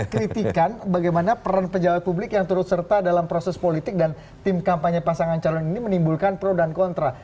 kritikan bagaimana peran pejabat publik yang turut serta dalam proses politik dan tim kampanye pasangan calon ini menimbulkan pro dan kontra